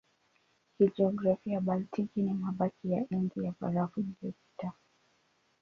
Kijiografia Baltiki ni mabaki ya Enzi ya Barafu iliyopita.